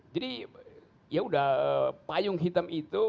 jadi yaudah payung hitam itu